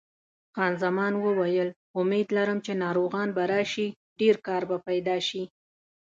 خان زمان وویل: امید لرم چې ناروغان به راشي، ډېر کار به پیدا شي.